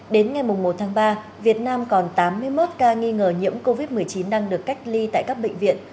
đến ngày một tháng ba việt nam còn tám mươi một ca nghi ngờ nhiễm covid một mươi chín đang được cách ly tại các bệnh viện